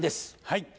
はい。